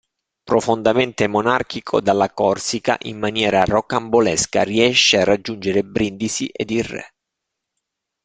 Profondamente monarchico, dalla Corsica, in maniera rocambolesca, riesce a raggiungere Brindisi ed il Re.